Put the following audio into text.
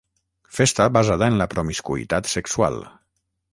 Festa basada en la promiscuïtat sexual.